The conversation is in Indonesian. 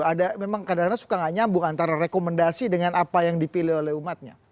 ada memang kadang kadang suka gak nyambung antara rekomendasi dengan apa yang dipilih oleh umatnya